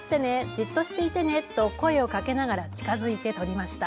じっとしていてねと声をかけながら近づいて撮りました。